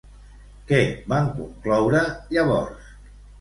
Què van concloure, llavors?